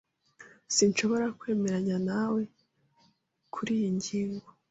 Sinshobora kwemeranya nawe kuriyi ngingo.